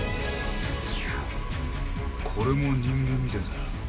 これも人間みたいだな。